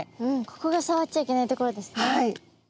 ここがさわっちゃいけないところですね。